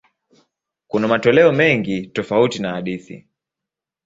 Kuna matoleo mengi tofauti ya hadithi.